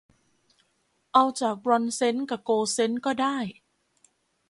เอาจากบรอนซเซนต์กะโกลด์เซนต์ก็ได้